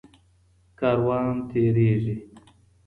کاروان تيريږي.